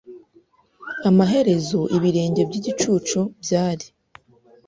Amaherezo ibirenge byigicucu byari